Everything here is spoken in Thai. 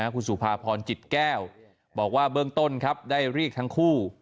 คุณสุภาพรจิตแก้วบอกว่าเบื้องต้นครับได้เรียกทั้งคู่